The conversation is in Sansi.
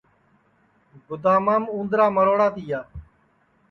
گُدامام اُندرا مروڑا تیا